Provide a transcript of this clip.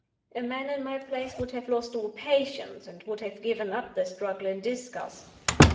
A man in my place would have lost all patience, and would have given up the struggle in disgust.